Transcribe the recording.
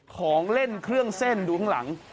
ของเล่นเครื่องเส้นดูข้างหลัง